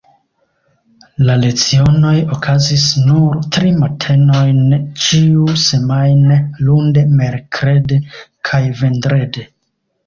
La lecionoj okazis nur tri matenojn ĉiusemajne, lunde, merkrede kaj vendrede.